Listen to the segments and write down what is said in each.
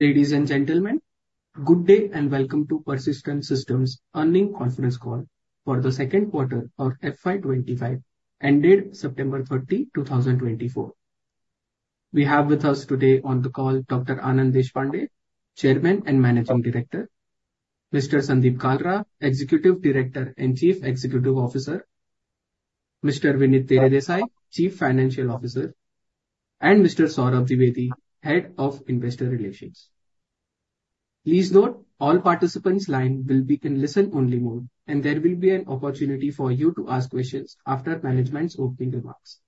Ladies and gentlemen, good day and welcome to Persistent Systems Earnings Conference Call for the second quarter of FY 2025, ended September thirty, two thousand twenty-four. We have with us today on the call Dr. Anand Deshpande, Chairman and Managing Director, Mr. Sandeep Kalra, Executive Director and Chief Executive Officer, Mr. Vinit Teredesai, Chief Financial Officer, and Mr. Saurabh Dwivedi, Head of Investor Relations. Please note all participants' line will be in listen-only mode, and there will be an opportunity for you to ask questions after management's opening remarks.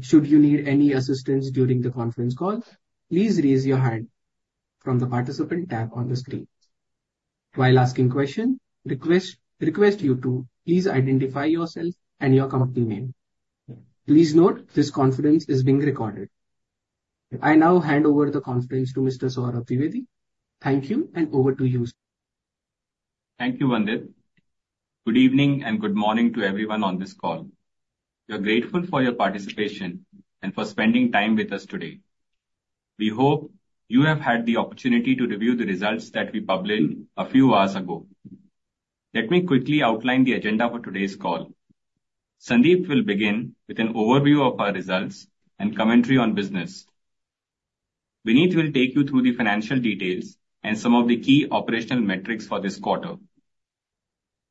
Should you need any assistance during the conference call, please raise your hand from the Participant tab on the screen. While asking question, request, request you to please identify yourself and your company name. Please note, this conference is being recorded. I now hand over the conference to Mr. Saurabh Dwivedi. Thank you, and over to you, sir. Thank you, Vandit. Good evening, and good morning to everyone on this call. We are grateful for your participation and for spending time with us today. We hope you have had the opportunity to review the results that we published a few hours ago. Let me quickly outline the agenda for today's call. Sandeep will begin with an overview of our results and commentary on business. Vinit will take you through the financial details and some of the key operational metrics for this quarter.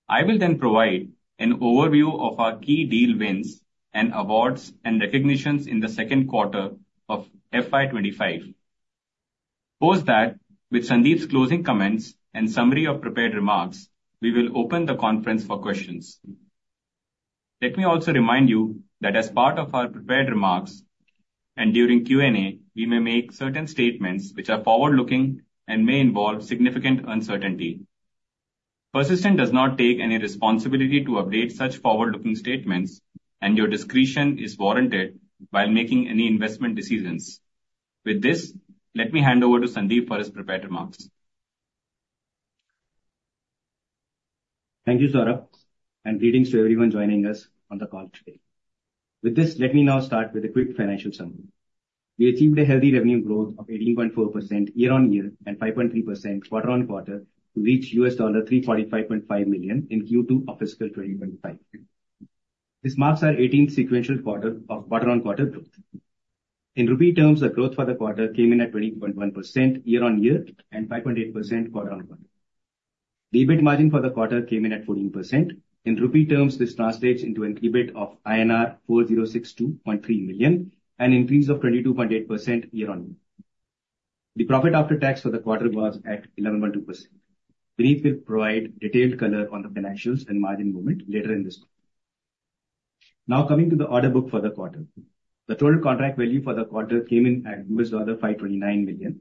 I will then provide an overview of our key deal wins and awards and recognitions in the second quarter of FY twenty-five. Post that, with Sandeep's closing comments and summary of prepared remarks, we will open the conference for questions. Let me also remind you that as part of our prepared remarks, and during Q&A, we may make certain statements which are forward-looking and may involve significant uncertainty. Persistent does not take any responsibility to update such forward-looking statements, and your discretion is warranted while making any investment decisions. With this, let me hand over to Sandeep for his prepared remarks. Thank you, Saurabh, and greetings to everyone joining us on the call today. With this, let me now start with a quick financial summary. We achieved a healthy revenue growth of 18.4% year-on-year and 5.3% quarter-on-quarter to reach $345.5 million in Q2 of fiscal 2025. This marks our eighteenth sequential quarter of quarter-on-quarter growth. In rupee terms, the growth for the quarter came in at 20.1% year-on-year and 5.8% quarter-on-quarter. EBIT margin for the quarter came in at 14%. In rupee terms, this translates into an EBIT of INR 4,062.3 million, an increase of 22.8% year-on-year. The profit after tax for the quarter was at 11.2%. Vinit will provide detailed color on the financials and margin movement later in this call. Now, coming to the order book for the quarter. The total contract value for the quarter came in at $529 million,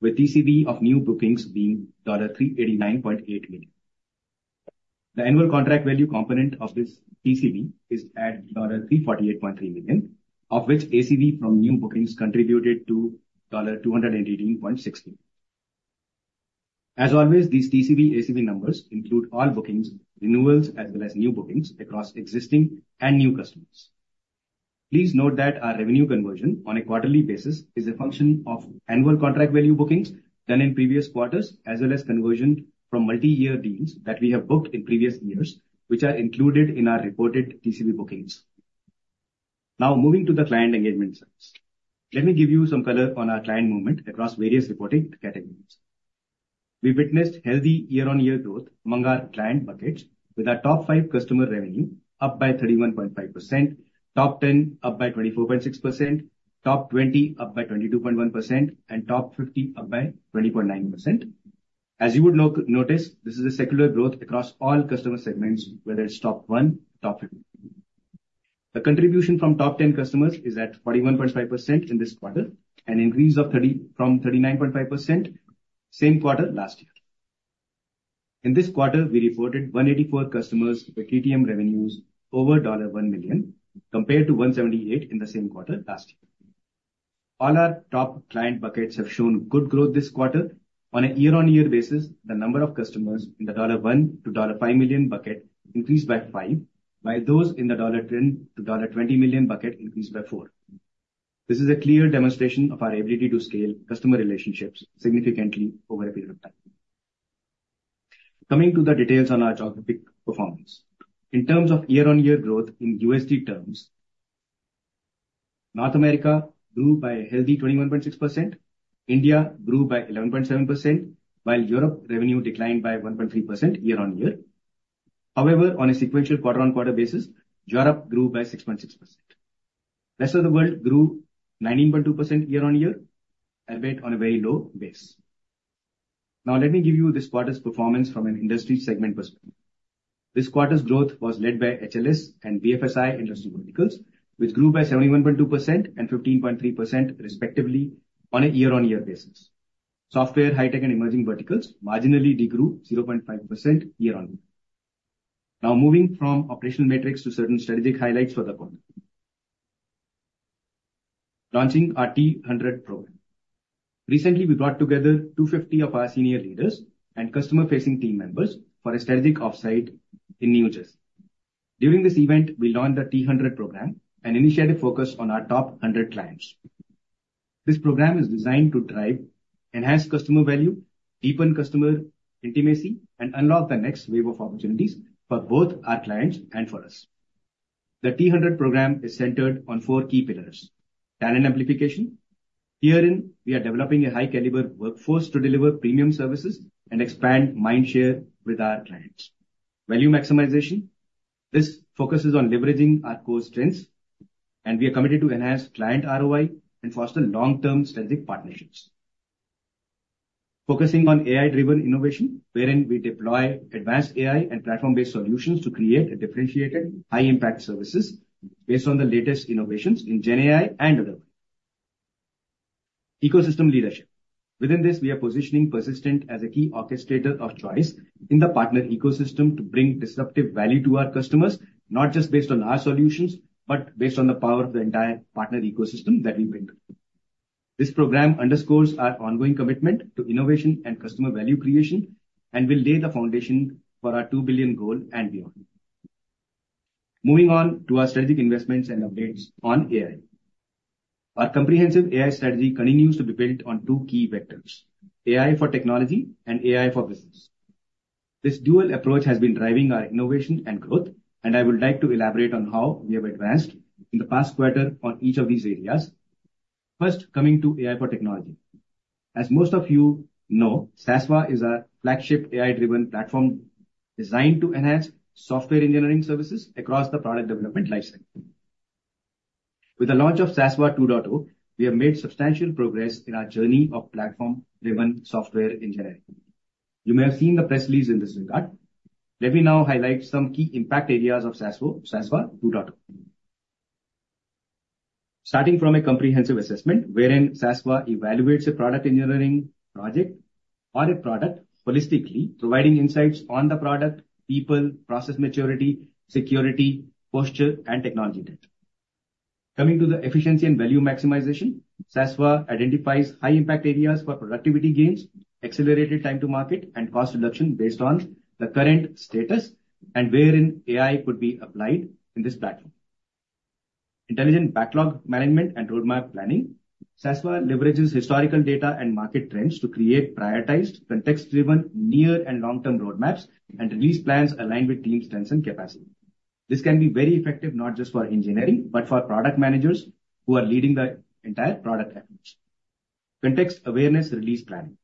with TCV of new bookings being $389.8 million. The annual contract value component of this TCV is at $348.3 million, of which ACV from new bookings contributed to $288.6 million. As always, these TCV, ACV numbers include all bookings, renewals, as well as new bookings across existing and new customers. Please note that our revenue conversion on a quarterly basis is a function of annual contract value bookings done in previous quarters, as well as conversion from multi-year deals that we have booked in previous years, which are included in our reported TCV bookings. Now, moving to the client engagement service. Let me give you some color on our client movement across various reporting categories. We witnessed healthy year-on-year growth among our client buckets, with our top five customer revenue up by 31.5%, top 10 up by 24.6%, top 20 up by 22.1%, and top 50 up by 20.9%. As you would notice, this is a secular growth across all customer segments, whether it's top one, top 50. The contribution from top 10 customers is at 41.5% in this quarter, an increase of thirty... from 39.5%, same quarter last year. In this quarter, we reported 184 customers with TTM revenues over $1 million, compared to 178 in the same quarter last year. All our top client buckets have shown good growth this quarter. On a year-on-year basis, the number of customers in the $1-$5 million bucket increased by five, while those in the $10-$20 million bucket increased by four. This is a clear demonstration of our ability to scale customer relationships significantly over a period of time. Coming to the details on our geographic performance. In terms of year-on-year growth in USD terms, North America grew by a healthy 21.6%, India grew by 11.7%, while Europe revenue declined by 1.3% year-on-year. However, on a sequential quarter-on-quarter basis, Europe grew by 6.6%. Rest of the world grew 19.2% year-on-year, a bit on a very low base. Now, let me give you this quarter's performance from an industry segment perspective. This quarter's growth was led by HLS and BFSI industry verticals, which grew by 71.2% and 15.3%, respectively, on a year-on-year basis. Software, High Tech, and Emerging Verticals marginally degrew 0.5% year-on-year. Now, moving from operational metrics to certain strategic highlights for the quarter. Launching our T-100 program. Recently, we brought together 250 of our senior leaders and customer-facing team members for a strategic offsite in New Jersey. During this event, we launched the T-100 program, an initiative focused on our top 100 clients. This program is designed to drive enhanced customer value, deepen customer intimacy, and unlock the next wave of opportunities for both our clients and for us. The T-100 program is centered on four key pillars. Talent amplification: herein, we are developing a high-caliber workforce to deliver premium services and expand mind share with our clients. Value maximization: this focuses on leveraging our core strengths, and we are committed to enhance client ROI and foster long-term strategic partnerships. Focusing on AI-driven innovation, wherein we deploy advanced AI and platform-based solutions to create a differentiated high-impact services based on the latest innovations in GenAI and other. Ecosystem leadership: within this, we are positioning Persistent as a key orchestrator of choice in the partner ecosystem to bring disruptive value to our customers, not just based on our solutions, but based on the power of the entire partner ecosystem that we build. This program underscores our ongoing commitment to innovation and customer value creation and will lay the foundation for our two billion goal and beyond. Moving on to our strategic investments and updates on AI. Our comprehensive AI strategy continues to be built on two key vectors: AI for technology and AI for business. This dual approach has been driving our innovation and growth, and I would like to elaborate on how we have advanced in the past quarter on each of these areas. First, coming to AI for technology. As most of you know, Sasva is our flagship AI-driven platform designed to enhance software engineering services across the product development lifecycle. With the launch of Sasva 2.0, we have made substantial progress in our journey of platform-driven software engineering. You may have seen the press release in this regard. Let me now highlight some key impact areas of Sasva, Sasva 2.0. Starting from a comprehensive assessment, wherein Sasva evaluates a product engineering project or a product holistically, providing insights on the product, people, process maturity, security, posture, and technology debt. Coming to the efficiency and value maximization, Sasva identifies high-impact areas for productivity gains, accelerated time to market, and cost reduction based on the current status and wherein AI could be applied in this platform. Intelligent backlog management and roadmap planning. Sasva leverages historical data and market trends to create prioritized, context-driven, near and long-term roadmaps and release plans aligned with team strengths and capacity. This can be very effective not just for engineering, but for product managers who are leading the entire product efforts. Context awareness release planning.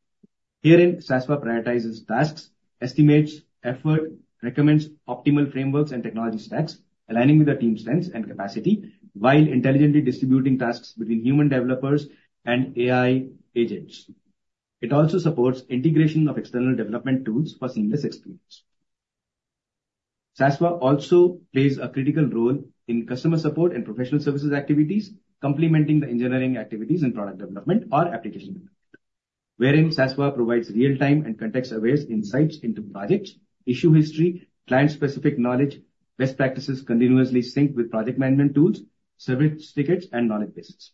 Herein, Sasva prioritizes tasks, estimates effort, recommends optimal frameworks and technology stacks, aligning with the team's strengths and capacity, while intelligently distributing tasks between human developers and AI agents. It also supports integration of external development tools for seamless experience. Sasva also plays a critical role in customer support and professional services activities, complementing the engineering activities in product development or application development. Wherein Sasva provides real-time and context-aware insights into projects, issue history, client-specific knowledge, best practices continuously sync with project management tools, service tickets, and knowledge bases.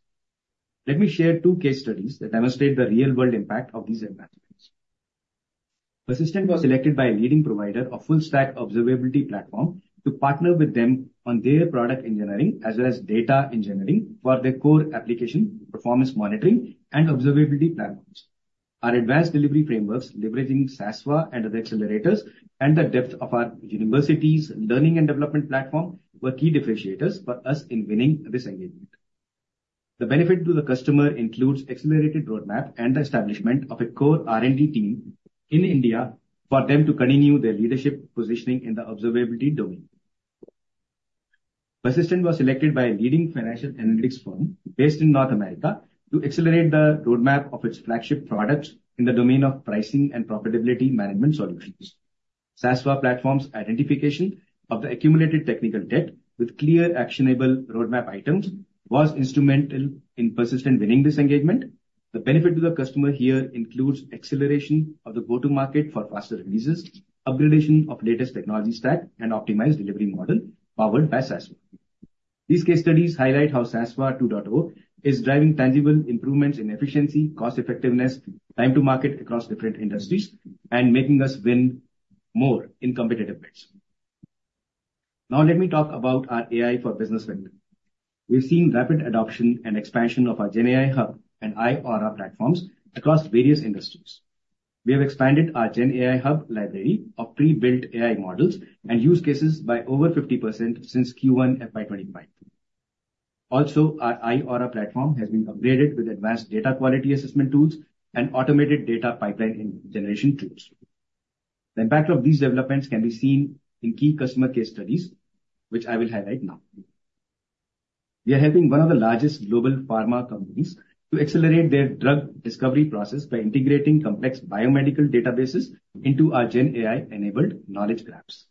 Let me share two case studies that demonstrate the real-world impact of these enhancements. Persistent was selected by a leading provider of full-stack observability platform to partner with them on their product engineering as well as data engineering for their core application, performance monitoring, and observability platforms. Our advanced delivery frameworks, leveraging Sasva and other accelerators, and the depth of our university's learning and development platform, were key differentiators for us in winning this engagement. The benefit to the customer includes accelerated roadmap and the establishment of a core R&D team in India for them to continue their leadership positioning in the observability domain. Persistent was selected by a leading financial analytics firm based in North America, to accelerate the roadmap of its flagship products in the domain of pricing and profitability management solutions. Sasva platform's identification of the accumulated technical debt with clear, actionable roadmap items was instrumental in Persistent winning this engagement. The benefit to the customer here includes acceleration of the go-to-market for faster releases, upgradation of latest technology stack, and optimized delivery model powered by Sasva. These case studies highlight how Sasva 2.0 is driving tangible improvements in efficiency, cost effectiveness, time to market across different industries, and making us win more in competitive bids. Now let me talk about our AI for business venture. We've seen rapid adoption and expansion of our GenAI Hub and iAURA platforms across various industries. We have expanded our GenAI Hub library of pre-built AI models and use cases by over 50% since Q1 FY 2025. Also, our iAURA platform has been upgraded with advanced data quality assessment tools and automated data pipeline generation tools. The impact of these developments can be seen in key customer case studies, which I will highlight now. We are helping one of the largest global pharma companies to accelerate their drug discovery process by integrating complex biomedical databases into our GenAI-enabled knowledge graphs.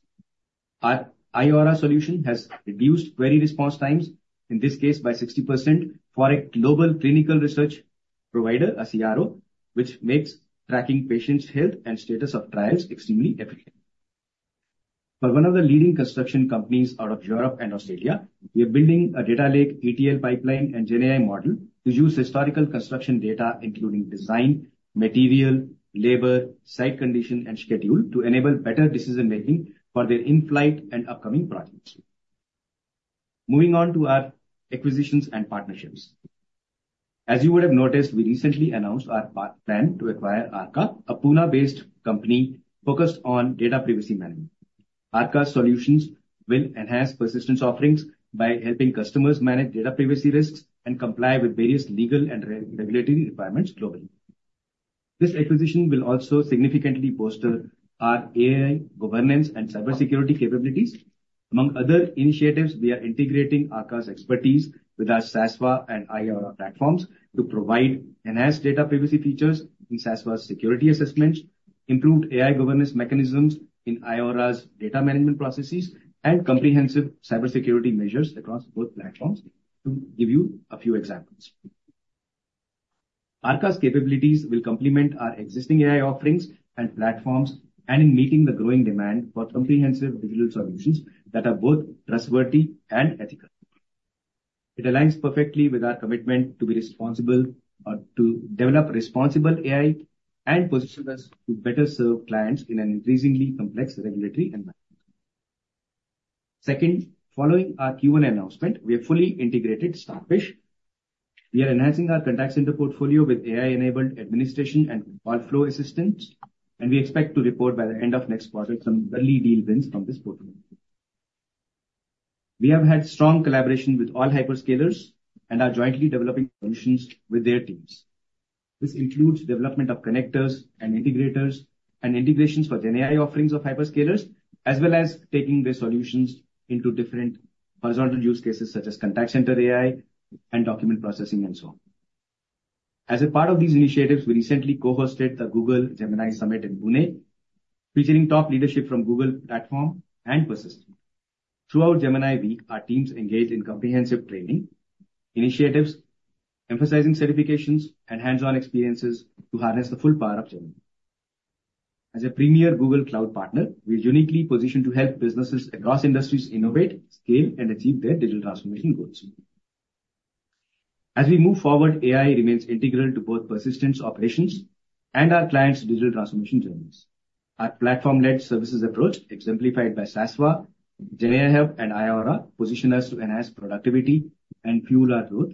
Our iAURA solution has reduced query response times, in this case, by 60% for a global clinical research provider, a CRO, which makes tracking patients' health and status of trials extremely efficient. For one of the leading construction companies out of Europe and Australia, we are building a data lake, ETL pipeline, and GenAI model to use historical construction data, including design, material, labor, site condition, and schedule, to enable better decision-making for their in-flight and upcoming projects. Moving on to our acquisitions and partnerships. As you would have noticed, we recently announced our plan to acquire Arrka, a Pune-based company focused on data privacy management. Arrka's solutions will enhance Persistent's offerings by helping customers manage data privacy risks and comply with various legal and regulatory requirements globally. This acquisition will also significantly bolster our AI governance and cybersecurity capabilities. Among other initiatives, we are integrating Arrka's expertise with our Sasva and iAURA platforms to provide enhanced data privacy features in Sasva security assessments, improved AI governance mechanisms in iAURA's data management processes, and comprehensive cybersecurity measures across both platforms, to give you a few examples. Arrka's capabilities will complement our existing AI offerings and platforms, and in meeting the growing demand for comprehensive digital solutions that are both trustworthy and ethical. It aligns perfectly with our commitment to be responsible, to develop responsible AI and positions us to better serve clients in an increasingly complex regulatory environment. Second, following our Q1 announcement, we have fully integrated Starfish. We are enhancing our contact center portfolio with AI-enabled administration and call flow assistance, and we expect to report by the end of next quarter some early deal wins from this portfolio. We have had strong collaboration with all hyperscalers and are jointly developing solutions with their teams. This includes development of connectors and integrators, and integrations for GenAI offerings of hyperscalers, as well as taking their solutions into different horizontal use cases, such as contact center AI and document processing, and so on. As a part of these initiatives, we recently co-hosted the Google Gemini Summit in Pune, featuring top leadership from Google Cloud Platform and Persistent. Throughout Gemini Week, our teams engaged in comprehensive training initiatives, emphasizing certifications and hands-on experiences to harness the full power of Gemini. As a premier Google Cloud partner, we're uniquely positioned to help businesses across industries innovate, scale, and achieve their digital transformation goals. As we move forward, AI remains integral to both Persistent's operations and our clients' digital transformation journeys. Our platform-led services approach, exemplified by Sasva, GenAI Hub, and iAURA, position us to enhance productivity and fuel our growth,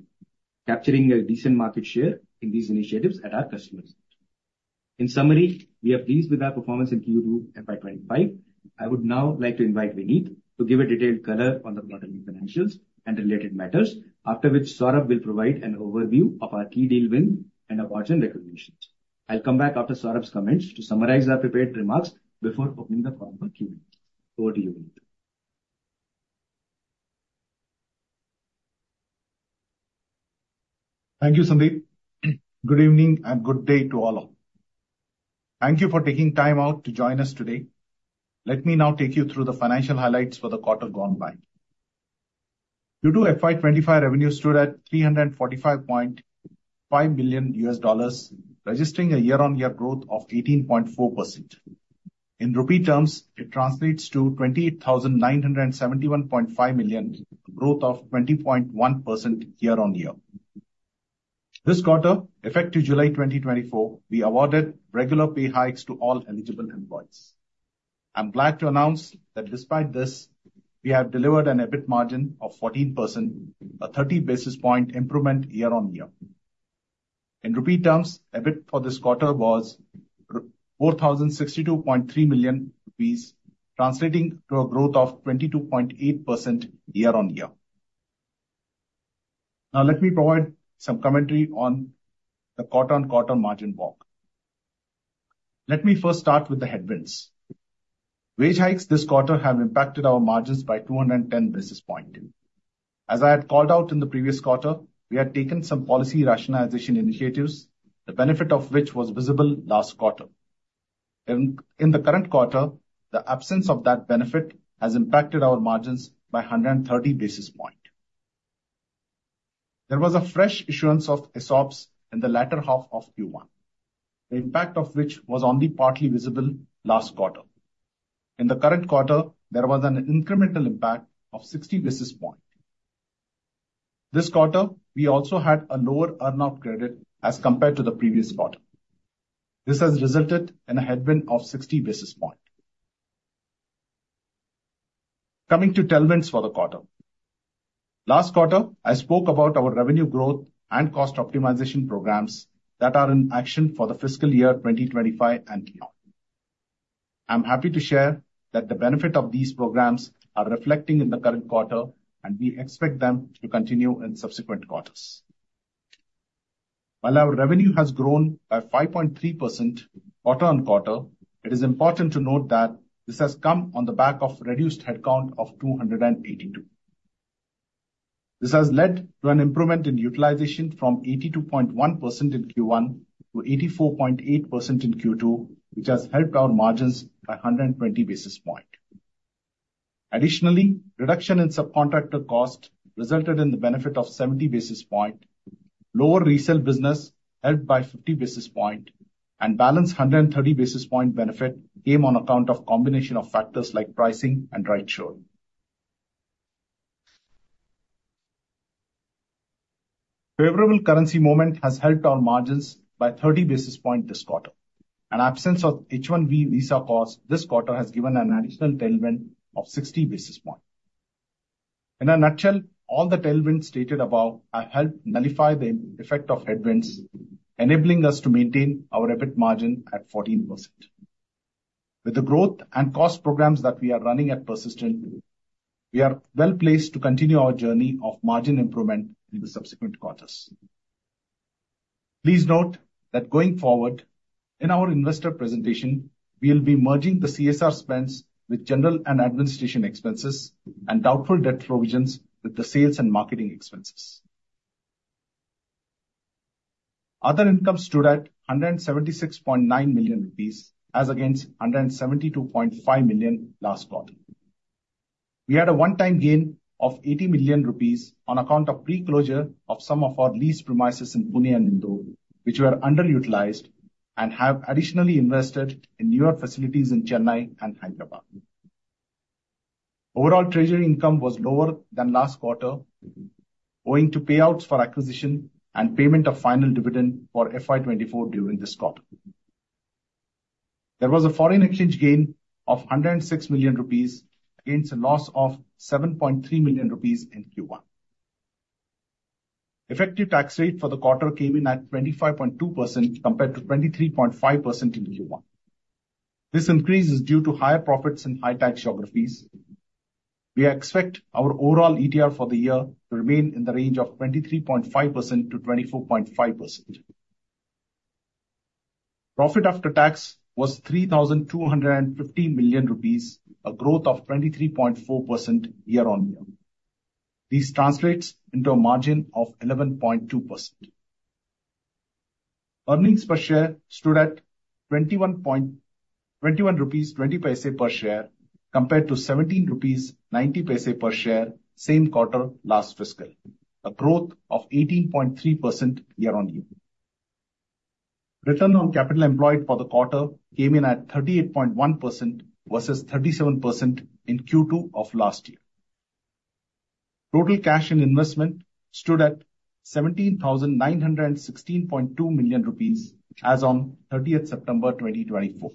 capturing a decent market share in these initiatives at our customers. In summary, we are pleased with our performance in Q2 FY twenty-five. I would now like to invite Vinit to give a detailed color on the quarterly financials and related matters. After which Saurabh will provide an overview of our key deal win and award and recognitions. I'll come back after Saurabh's comments to summarize our prepared remarks before opening the floor for Q&A. Over to you, Vinit. Thank you, Sandeep. Good evening, and good day to all of you. Thank you for taking time out to join us today. Let me now take you through the financial highlights for the quarter gone by. Q2 FY 2025 revenue stood at $345.5 million, registering a year-on-year growth of 18.4%. In rupee terms, it translates to 28,971.5 million, growth of 20.1% year-on-year. This quarter, effective July 2024, we awarded regular pay hikes to all eligible employees. I'm glad to announce that despite this, we have delivered an EBIT margin of 14%, a 30 basis point improvement year-on-year. In rupee terms, EBIT for this quarter was 4,062.3 million rupees, translating to a growth of 22.8% year-on-year. Now, let me provide some commentary on the quarter-on-quarter margin walk. Let me first start with the headwinds. Wage hikes this quarter have impacted our margins by 210 basis points. As I had called out in the previous quarter, we had taken some policy rationalization initiatives, the benefit of which was visible last quarter. In the current quarter, the absence of that benefit has impacted our margins by 130 basis points. There was a fresh issuance of ESOPs in the latter half of Q1, the impact of which was only partly visible last quarter. In the current quarter, there was an incremental impact of 60 basis points. This quarter, we also had a lower earn-out credit as compared to the previous quarter. This has resulted in a headwind of 60 basis points. Coming to tailwinds for the quarter. Last quarter, I spoke about our revenue growth and cost optimization programs that are in action for the fiscal year 2025 and beyond. I'm happy to share that the benefit of these programs are reflecting in the current quarter, and we expect them to continue in subsequent quarters. While our revenue has grown by 5.3% quarter on quarter, it is important to note that this has come on the back of reduced headcount of 282. This has led to an improvement in utilization from 82.1% in Q1 to 84.8% in Q2, which has helped our margins by 120 basis points. Additionally, reduction in subcontractor cost resulted in the benefit of 70 basis points. Lower resale business helped by 50 basis points, and balance 130 basis points benefit came on account of combination of factors like pricing and rightshoring. Favorable currency movement has helped our margins by 30 basis points this quarter, and absence of H-1B visa costs this quarter has given an additional tailwind of 60 basis points. In a nutshell, all the tailwinds stated above have helped nullify the effect of headwinds, enabling us to maintain our EBIT margin at 14%. With the growth and cost programs that we are running at Persistent, we are well-placed to continue our journey of margin improvement in the subsequent quarters. Please note that going forward, in our investor presentation, we'll be merging the CSR spends with general and administrative expenses, and doubtful debt provisions with the sales and marketing expenses. Other income stood at 176.9 million rupees, as against 172.5 million last quarter. We had a one-time gain of 80 million rupees on account of pre-closure of some of our leased premises in Pune and Indore, which were underutilized, and have additionally invested in newer facilities in Chennai and Hyderabad. Overall treasury income was lower than last quarter, owing to payouts for acquisition and payment of final dividend for FY 2024 during this quarter. There was a foreign exchange gain of 106 million rupees against a loss of 7.3 million rupees in Q1. Effective tax rate for the quarter came in at 25.2%, compared to 23.5% in Q1. This increase is due to higher profits in high tax geographies. We expect our overall ETR for the year to remain in the range of 23.5% to 24.5%. Profit after tax was 3,250 million rupees, a growth of 23.4% year-on-year. This translates into a margin of 11.2%. Earnings per share stood at 21.20 rupees per share, compared to 17.90 rupees per share same quarter last fiscal, a growth of 18.3% year-on-year. Return on capital employed for the quarter came in at 38.1% versus 37% in Q2 of last year. Total cash and investment stood at INR 17,916.2 million as on thirtieth September 2024.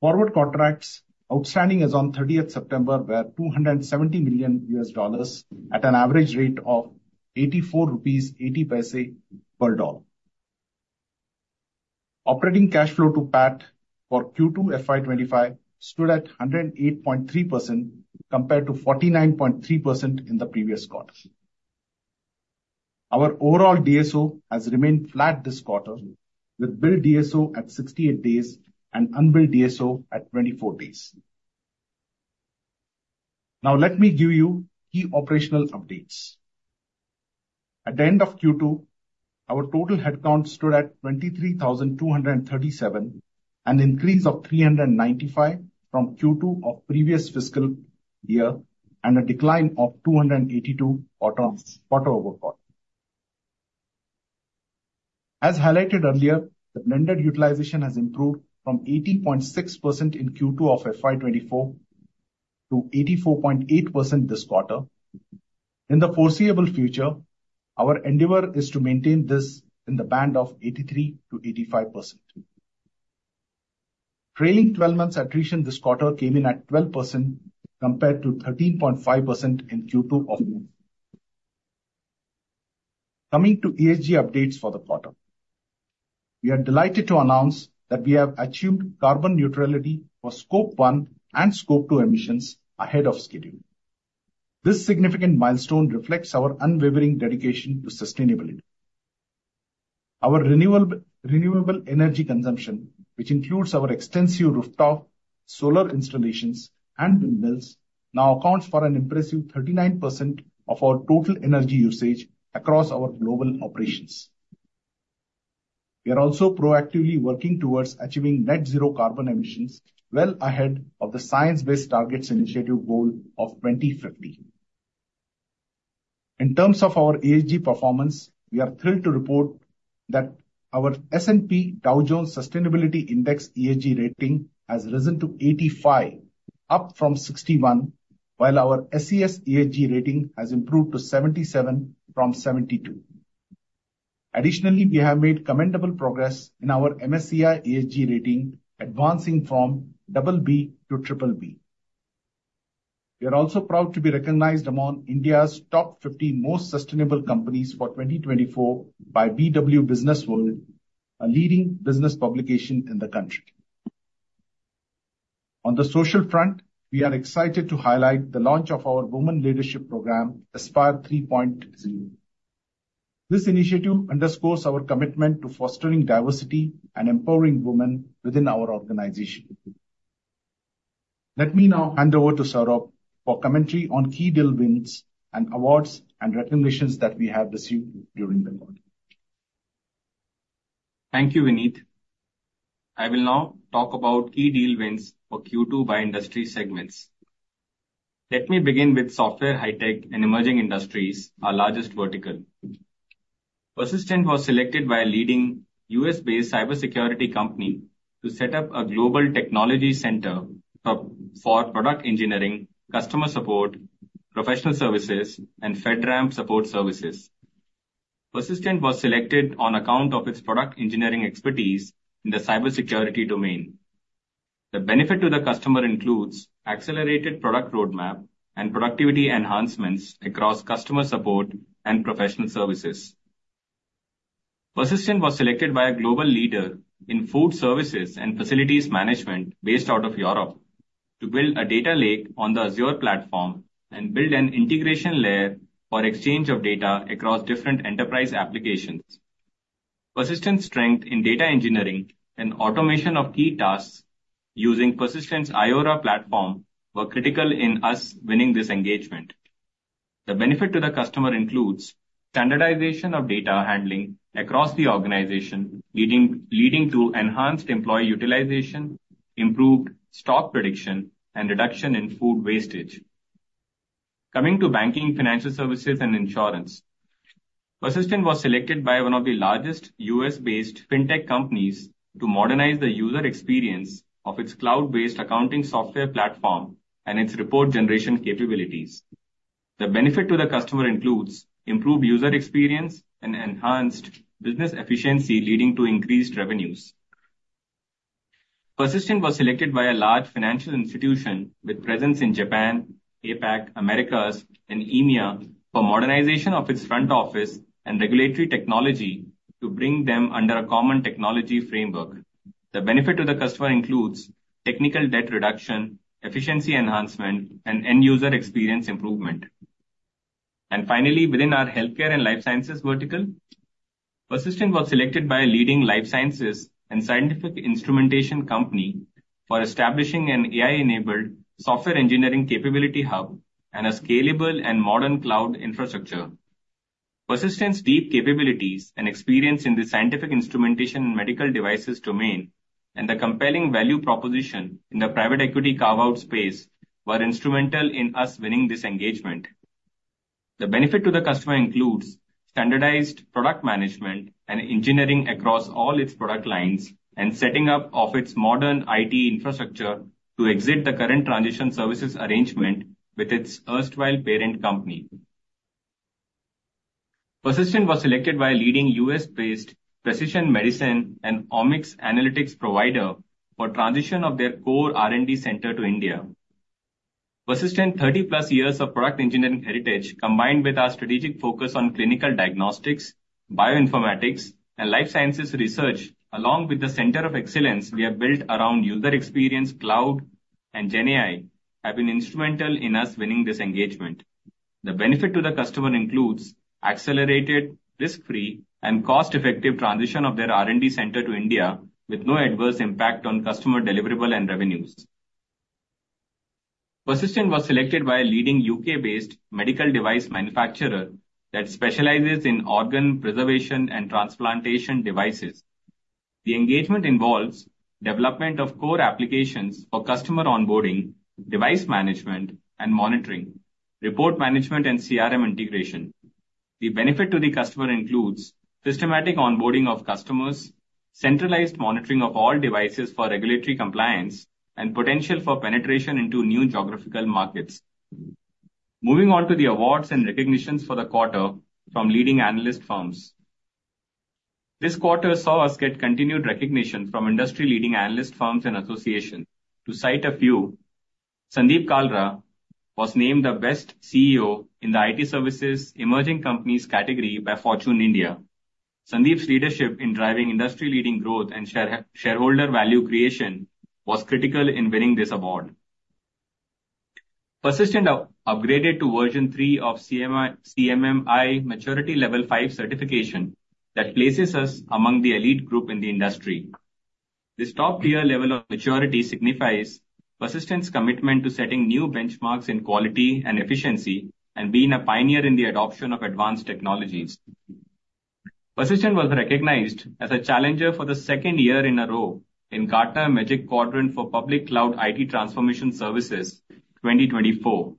Forward contracts outstanding as on 30th September were $270 million, at an average rate of 84.80 rupees per dollar. Operating cash flow to PAT for Q2 FY 2025 stood at 108.3%, compared to 49.3% in the previous quarter. Our overall DSO has remained flat this quarter, with bill DSO at 68 days and unbilled DSO at 24 days. Now let me give you key operational updates. At the end of Q2, our total headcount stood at 23,237, an increase of 395 from Q2 of previous fiscal year, and a decline of 282 quarter over quarter. As highlighted earlier, the blended utilization has improved from 80.6% in Q2 of FY 2024 to 84.8% this quarter. In the foreseeable future, our endeavor is to maintain this in the band of 83%-85%. Trailing twelve months attrition this quarter came in at 12%, compared to 13.5% in Q2 of... Coming to ESG updates for the quarter. We are delighted to announce that we have achieved carbon neutrality for Scope 1 and Scope 2 emissions ahead of schedule. This significant milestone reflects our unwavering dedication to sustainability. Our renewable energy consumption, which includes our extensive rooftop solar installations and windmills, now accounts for an impressive 39% of our total energy usage across our global operations. We are also proactively working towards achieving net zero carbon emissions well ahead of the Science-Based Targets Initiative goal of 2050. In terms of our ESG performance, we are thrilled to report that our S&P Dow Jones Sustainability Index ESG rating has risen to 85, up from 61, while our SES ESG rating has improved to 77 from 72. Additionally, we have made commendable progress in our MSCI ESG rating, advancing from BB to BBB. We are also proud to be recognized among India's top 50 most sustainable companies for 2024 by BW Businessworld, a leading business publication in the country. On the social front, we are excited to highlight the launch of our Women Leadership Program, Aspire 3.0. This initiative underscores our commitment to fostering diversity and empowering women within our organization. Let me now hand over to Saurabh for commentary on key deal wins and awards and recognitions that we have received during the quarter. Thank you, Vinit. I will now talk about key deal wins for Q2 by industry segments. Let me begin with Software, High Tech, and Emerging Industries, our largest vertical.... Persistent was selected by a leading U.S.-based cybersecurity company to set up a global technology center for product engineering, customer support, professional services, and FedRAMP support services. Persistent was selected on account of its product engineering expertise in the cybersecurity domain. The benefit to the customer includes accelerated product roadmap and productivity enhancements across customer support and professional services. Persistent was selected by a global leader in food services and facilities management based out of Europe, to build a data lake on the Azure platform and build an integration layer for exchange of data across different enterprise applications. Persistent's strength in data engineering and automation of key tasks using Persistent's iAURA platform were critical in us winning this engagement. The benefit to the customer includes standardization of data handling across the organization, leading to enhanced employee utilization, improved stock prediction, and reduction in food wastage. Coming to Banking, Financial Services, and Insurance. Persistent was selected by one of the largest U.S.-based fintech companies to modernize the user experience of its cloud-based accounting software platform and its report generation capabilities. The benefit to the customer includes improved user experience and enhanced business efficiency, leading to increased revenues. Persistent was selected by a large financial institution with presence in Japan, APAC, Americas, and EMEA, for modernization of its front office and regulatory technology to bring them under a common technology framework. The benefit to the customer includes technical debt reduction, efficiency enhancement, and end-user experience improvement. And finally, within our Healthcare and Life Sciences vertical, Persistent was selected by a leading life sciences and scientific instrumentation company for establishing an AI-enabled software engineering capability hub and a scalable and modern cloud infrastructure. Persistent's deep capabilities and experience in the scientific instrumentation and medical devices domain, and the compelling value proposition in the private equity carve-out space, were instrumental in us winning this engagement. The benefit to the customer includes standardized product management and engineering across all its product lines, and setting up of its modern IT infrastructure to exit the current transition services arrangement with its erstwhile parent company. Persistent was selected by a leading U.S.-based precision medicine and omics analytics provider for transition of their core R&D center to India. Persistent's thirty-plus years of product engineering heritage, combined with our strategic focus on clinical diagnostics, bioinformatics, and life sciences research, along with the center of excellence we have built around user experience, cloud, and GenAI, have been instrumental in us winning this engagement. The benefit to the customer includes accelerated, risk-free, and cost-effective transition of their R&D center to India, with no adverse impact on customer deliverable and revenues. Persistent was selected by a leading U.K.-based medical device manufacturer that specializes in organ preservation and transplantation devices. The engagement involves development of core applications for customer onboarding, device management and monitoring, report management, and CRM integration. The benefit to the customer includes systematic onboarding of customers, centralized monitoring of all devices for regulatory compliance, and potential for penetration into new geographical markets. Moving on to the awards and recognitions for the quarter from leading analyst firms. This quarter saw us get continued recognition from industry-leading analyst firms and association. To cite a few, Sandeep Kalra was named the Best CEO in the IT Services Emerging Companies category by Fortune India. Sandeep's leadership in driving industry-leading growth and shareholder value creation was critical in winning this award. Persistent upgraded to version three of CMMI Maturity Level 5 certification that places us among the elite group in the industry. This top-tier level of maturity signifies Persistent's commitment to setting new benchmarks in quality and efficiency, and being a pioneer in the adoption of advanced technologies. Persistent was recognized as a challenger for the second year in a row in Gartner Magic Quadrant for Public Cloud IT Transformation Services 2024.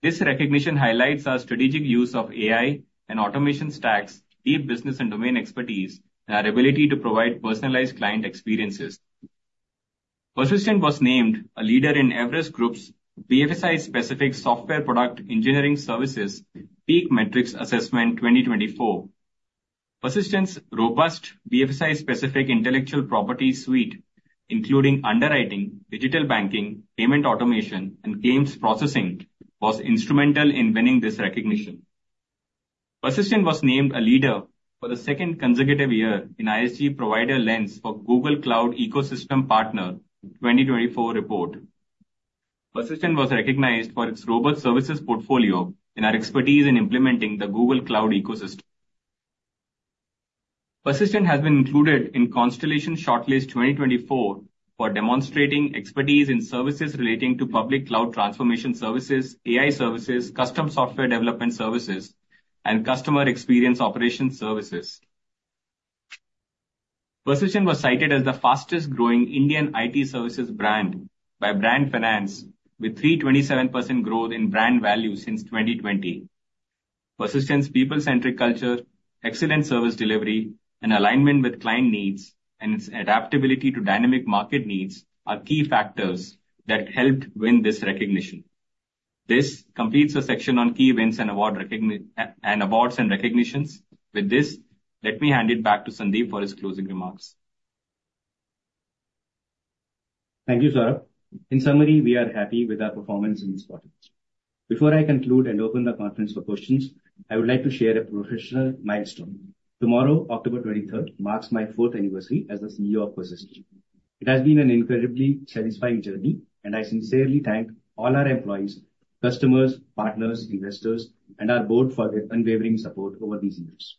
This recognition highlights our strategic use of AI and automation stacks, deep business and domain expertise, and our ability to provide personalized client experiences. Persistent was named a leader in Everest Group's BFSI-specific software product engineering services PEAK Matrix Assessment 2024. Persistent's robust BFSI-specific intellectual property suite, including underwriting, digital banking, payment automation, and claims processing, was instrumental in winning this recognition. Persistent was named a leader for the second consecutive year in ISG Provider Lens for Google Cloud Ecosystem Partner 2024 report. Persistent was recognized for its robust services portfolio and our expertise in implementing the Google Cloud ecosystem. Persistent has been included in Constellation ShortList 2024 for demonstrating expertise in services relating to public cloud transformation services, AI services, custom software development services, and customer experience operations services. ...Persistent was cited as the fastest growing Indian IT services brand by Brand Finance, with 327% growth in brand value since 2020. Persistent's people-centric culture, excellent service delivery and alignment with client needs, and its adaptability to dynamic market needs are key factors that helped win this recognition. This completes the section on key events and awards and recognitions. With this, let me hand it back to Sandeep for his closing remarks. Thank you, Saurabh. In summary, we are happy with our performance in this quarter. Before I conclude and open the conference for questions, I would like to share a professional milestone. Tomorrow, October twenty-third, marks my fourth anniversary as the CEO of Persistent. It has been an incredibly satisfying journey, and I sincerely thank all our employees, customers, partners, investors, and our board for their unwavering support over these years.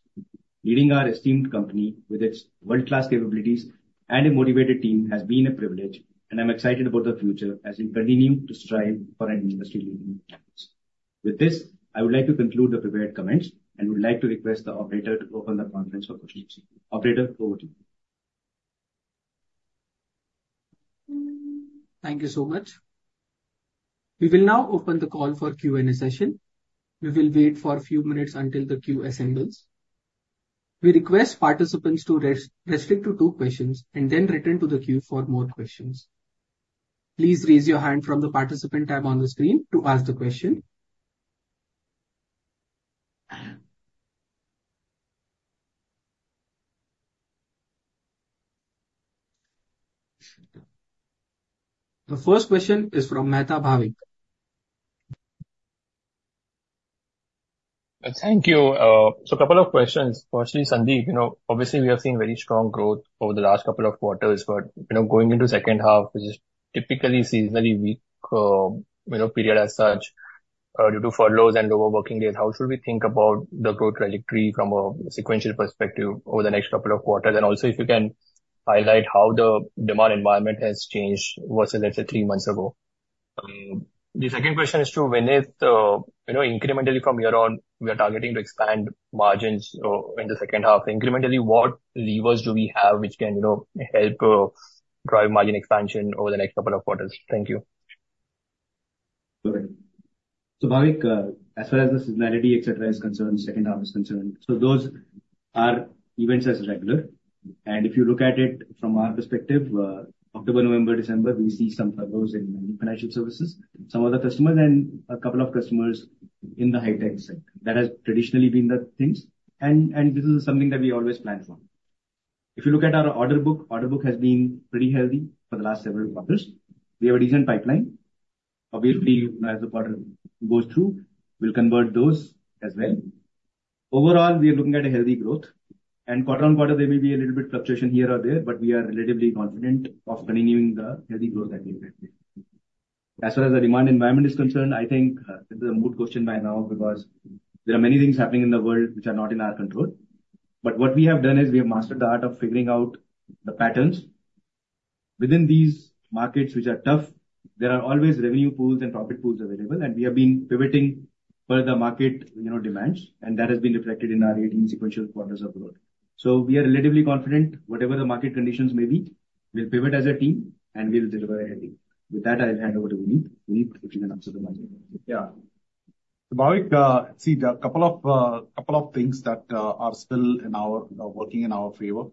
Leading our esteemed company with its world-class capabilities and a motivated team has been a privilege, and I'm excited about the future as we continue to strive for an industry-leading performance. With this, I would like to conclude the prepared comments, and would like to request the operator to open the conference for questions. Operator, over to you. Thank you so much. We will now open the call for Q&A session. We will wait for a few minutes until the queue assembles. We request participants to restrict to two questions and then return to the queue for more questions. Please raise your hand from the participant tab on the screen to ask the question. The first question is from Bhavik Mehta. Thank you. So a couple of questions. Firstly, Sandeep, you know, obviously, we have seen very strong growth over the last couple of quarters, but, you know, going into second half, which is typically seasonally weak, you know, period as such, due to furloughs and overworking days. How should we think about the growth trajectory from a sequential perspective over the next couple of quarters? And also, if you can highlight how the demand environment has changed versus, let's say, three months ago. The second question is to Vinit. You know, incrementally from here on, we are targeting to expand margins in the second half. Incrementally, what levers do we have which can, you know, help drive margin expansion over the next couple of quarters? Thank you. Great. So, Bhavik, as far as the seasonality, et cetera, is concerned, the second half is concerned, so those are events as regular. And if you look at it from our perspective, October, November, December, we see some furloughs in many financial services, some other customers and a couple of customers in the high tech sector. That has traditionally been the things, and this is something that we always plan for. If you look at our order book, order book has been pretty healthy for the last several quarters. We have a decent pipeline. Obviously, as the quarter goes through, we'll convert those as well. Overall, we are looking at a healthy growth, and quarter on quarter there may be a little bit fluctuation here or there, but we are relatively confident of continuing the healthy growth that we have had. As far as the demand environment is concerned, I think, this is a good question by now, because there are many things happening in the world which are not in our control. But what we have done is we have mastered the art of figuring out the patterns. Within these markets, which are tough, there are always revenue pools and profit pools available, and we have been pivoting per the market, you know, demands, and that has been reflected in our eighteen sequential quarters of growth. So we are relatively confident. Whatever the market conditions may be, we'll pivot as a team, and we'll deliver healthy. With that, I'll hand over to Vinit. Vinit, if you can answer the question. Yeah. So, Bhavik, see, there are a couple of things that are still working in our favor.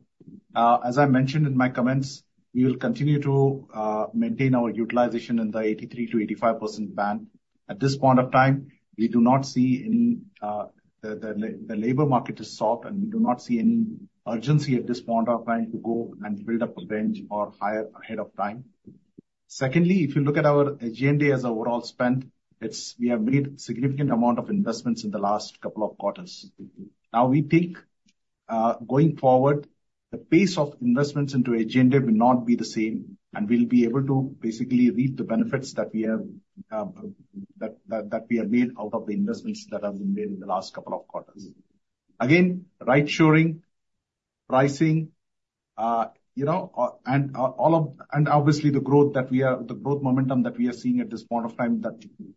As I mentioned in my comments, we will continue to maintain our utilization in the 83%-85% band. At this point of time, the labor market is soft, and we do not see any urgency at this point of time to go and build up a bench or hire ahead of time. Secondly, if you look at our agenda as overall spend, it's we have made significant amount of investments in the last couple of quarters. Now, we think, going forward, the pace of investments into GenAI will not be the same, and we'll be able to basically reap the benefits that we have made out of the investments that have been made in the last couple of quarters. Again, rightshoring, pricing, you know, and all of... And obviously, the growth momentum that we are seeing at this point of time,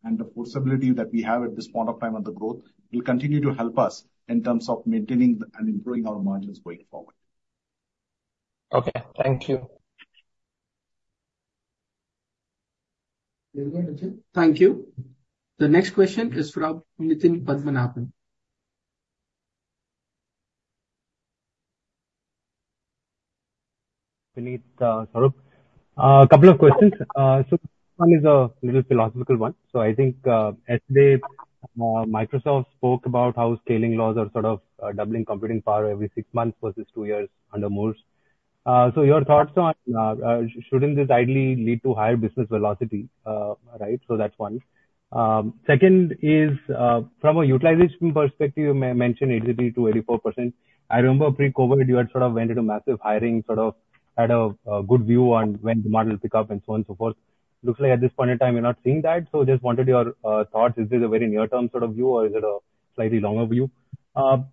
and the flexibility that we have at this point of time and the growth, will continue to help us in terms of maintaining and improving our margins going forward. Okay. Thank you. Any more Nitin? Thank you. The next question is from Nitin Padmanabhan. Vinit, Saurabh. A couple of questions. So one is a little philosophical one. So I think yesterday Microsoft spoke about how scaling laws are sort of doubling computing power every six months versus two years under Moore's. So your thoughts on, shouldn't this ideally lead to higher business velocity? Right, so that's one. Second is, from a utilization perspective, you mentioned 83%-84%. I remember pre-COVID, you had sort of entered a massive hiring, sort of had a good view on when demand will pick up and so on and so forth. Looks like at this point in time you're not seeing that, so just wanted your thoughts. Is this a very near-term sort of view, or is it a slightly longer view?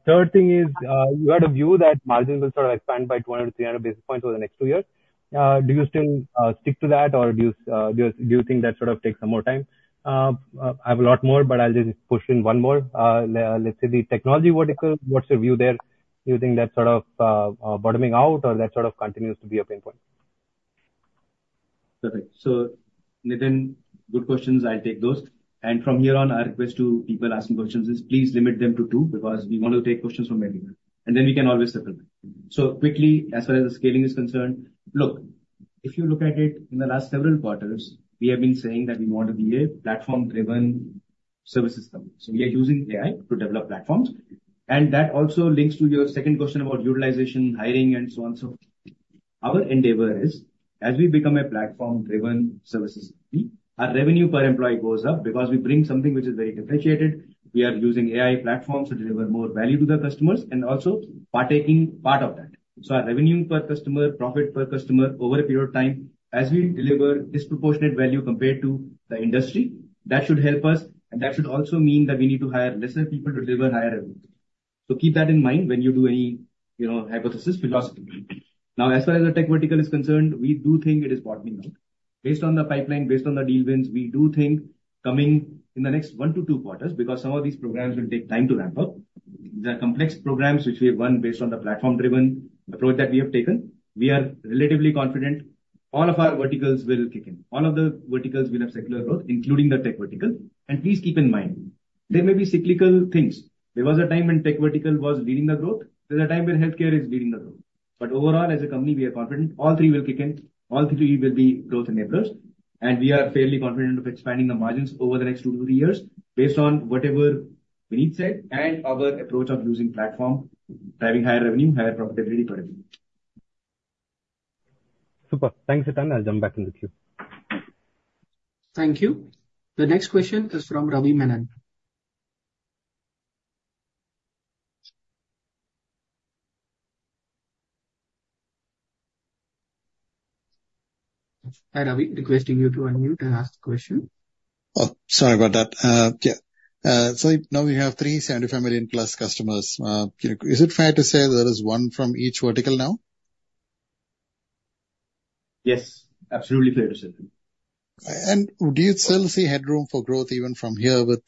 Third thing is, you had a view that margins will sort of expand by 200-300 basis points over the next two years. Do you still stick to that, or do you think that sort of takes some more time? I have a lot more, but I'll just push in one more. Let's say the technology vertical, what's your view there? Do you think that's sort of bottoming out, or that sort of continues to be a pain point? ...Perfect. So, Nitin, good questions. I take those. And from here on, our request to people asking questions is please limit them to two, because we want to take questions from many, and then we can always circle back. So quickly, as far as the scaling is concerned, look, if you look at it in the last several quarters, we have been saying that we want to be a platform-driven services company. So we are using AI to develop platforms. And that also links to your second question about utilization, hiring, and so on so forth. Our endeavor is, as we become a platform-driven services company, our revenue per employee goes up because we bring something which is very differentiated. We are using AI platforms to deliver more value to the customers and also partaking part of that. So our revenue per customer, profit per customer over a period of time, as we deliver disproportionate value compared to the industry, that should help us, and that should also mean that we need to hire lesser people to deliver higher revenue. So keep that in mind when you do any, you know, hypothesis philosophically. Now, as far as the tech vertical is concerned, we do think it is bottoming out. Based on the pipeline, based on the deal wins, we do think coming in the next one to two quarters, because some of these programs will take time to ramp up. The complex programs which we have won based on the platform-driven approach that we have taken, we are relatively confident all of our verticals will kick in. All of the verticals will have secular growth, including the tech vertical. Please keep in mind, there may be cyclical things. There was a time when tech vertical was leading the growth. There's a time when healthcare is leading the growth. But overall, as a company, we are confident all three will kick in, all three will be growth enablers, and we are fairly confident of expanding the margins over the next two to three years based on whatever Vinit said and our approach of using platform, driving higher revenue, higher profitability per revenue. Super. Thanks a ton. I'll jump back in the queue. Thank you. The next question is from Ravi Menon. Hi, Ravi. Requesting you to unmute and ask the question. Oh, sorry about that. Yeah. So now we have 375 million plus customers. Is it fair to say there is one from each vertical now? Yes, absolutely fair to say. And do you still see headroom for growth even from here with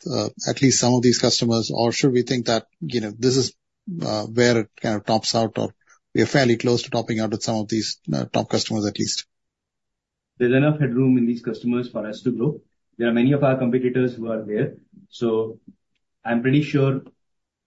at least some of these customers? Or should we think that, you know, this is where it kind of tops out, or we are fairly close to topping out with some of these top customers, at least? There's enough headroom in these customers for us to grow. There are many of our competitors who are there, so I'm pretty sure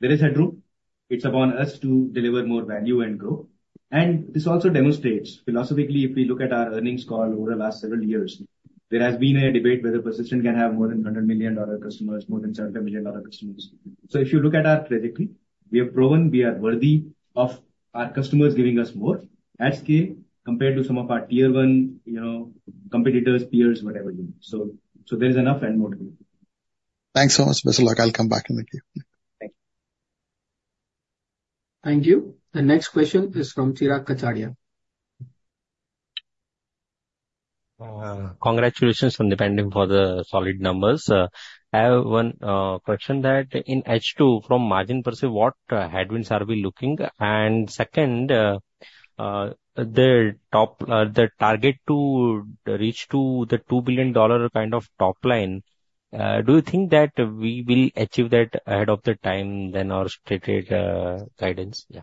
there is headroom. It's upon us to deliver more value and grow. And this also demonstrates philosophically, if we look at our earnings call over the last several years, there has been a debate whether Persistent can have more than $100 million-dollar customers, more than $7 million-dollar customers. So if you look at our trajectory, we have proven we are worthy of our customers giving us more at scale compared to some of our tier one, you know, competitors, peers, whatever you want. So, so there is enough and more to me. Thanks so much. Best of luck. I'll come back in the queue. Thank you. Thank you. The next question is from Chirag Kachhadiya. Congratulations on the beating for the solid numbers. I have one question that in H2, from margin perspective, what headwinds are we looking? And second, the target to reach the $2 billion kind of top line, do you think that we will achieve that ahead of the time than our stated guidance? Yeah.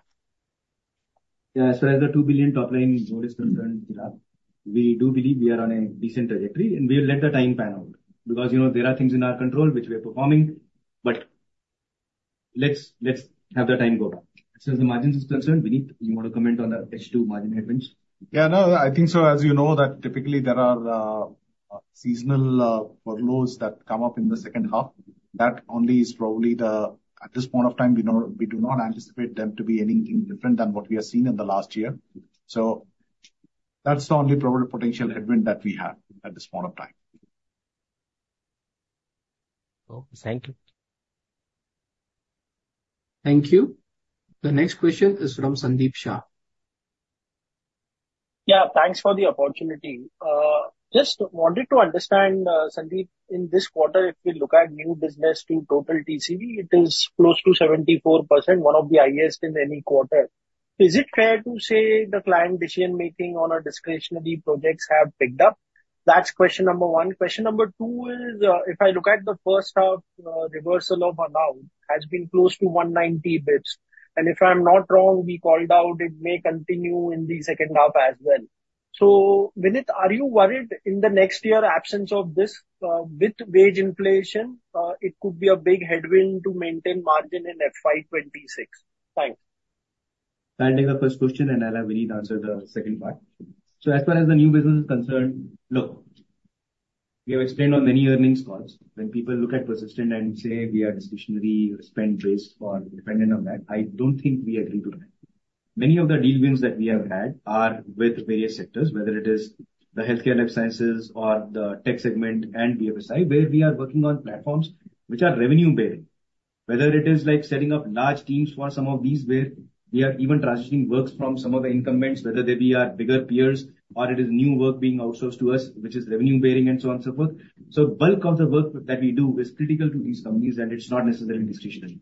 Yeah, as far as the $2 billion top line growth is concerned, Chirag, we do believe we are on a decent trajectory, and we'll let the time pan out. Because, you know, there are things in our control which we are performing, but let's have the time go by. As far as the margin is concerned, Vinit, you want to comment on the H2 margin headwinds? Yeah, no, I think so. As you know, that typically there are seasonal furloughs that come up in the second half. That only is probably the... At this point of time, we do not anticipate them to be anything different than what we have seen in the last year. So that's the only probable potential headwind that we have at this point of time. Oh, thank you. Thank you. The next question is from Sandeep Shah. Yeah, thanks for the opportunity. Just wanted to understand, Sandeep, in this quarter, if we look at new business to total TCV, it is close to 74%, one of the highest in any quarter. Is it fair to say the client decision-making on our discretionary projects have picked up? That's question number one. Question number two is, if I look at the first half, reversal of amount has been close to 190 basis points, and if I'm not wrong, we called out it may continue in the second half as well. So, Vinit, are you worried in the next year, absence of this, with wage inflation, it could be a big headwind to maintain margin in FY 2026? Thanks. I'll take the first question, and I'll have Vinit answer the second part. So as far as the new business is concerned, look, we have explained on many earnings calls, when people look at Persistent and say we are discretionary, spend risk or dependent on that, I don't think we agree to that. Many of the deal wins that we have had are with various sectors, whether it is the healthcare life sciences or the tech segment and BFSI, where we are working on platforms which are revenue bearing. Whether it is like setting up large teams for some of these, where we are even transitioning works from some of the incumbents, whether they be our bigger peers or it is new work being outsourced to us, which is revenue bearing and so on, so forth. So bulk of the work that we do is critical to these companies, and it's not necessarily discretionary.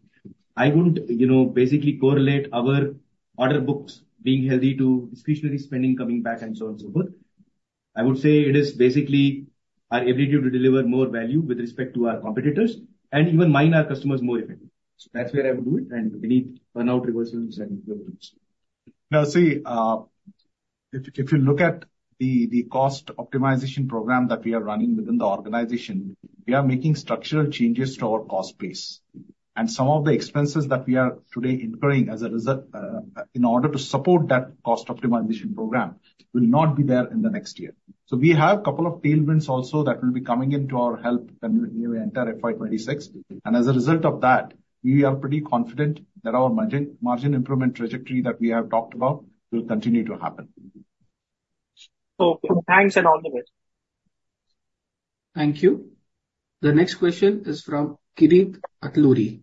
I wouldn't, you know, basically correlate our order books being healthy to discretionary spending coming back and so on, so forth. I would say it is basically our ability to deliver more value with respect to our competitors, and even mine our customers more effectively. So that's where I would do it, and any earn-out reversals and go to. Now, see, if you look at the cost optimization program that we are running within the organization, we are making structural changes to our cost base. And some of the expenses that we are today incurring as a result in order to support that cost optimization program, will not be there in the next year. So we have a couple of tailwinds also that will be coming into our help when we enter FY 2026. And as a result of that, we are pretty confident that our margin improvement trajectory that we have talked about will continue to happen. So thanks and all the best. Thank you. The next question is from Girish Pai.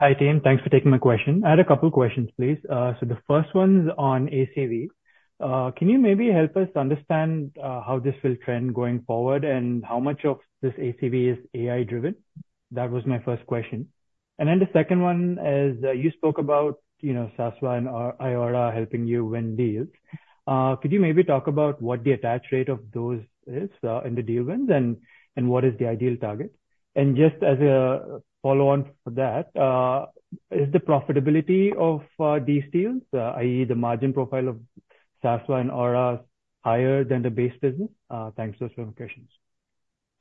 Hi, team. Thanks for taking my question. I had a couple questions, please. So the first one is on ACV. Can you maybe help us understand how this will trend going forward, and how much of this ACV is AI driven? That was my first question. And then the second one is, you spoke about, you know, Sasva and iAURA helping you win deals. Could you maybe talk about what the attach rate of those is in the deal wins, and what is the ideal target? And just as a follow-on for that, is the profitability of these deals, i.e., the margin profile of Sasva and iAURA, higher than the base business? Thanks for those questions.